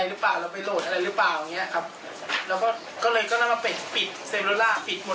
เซลลูลลาปิดหมดเลยปิดหมด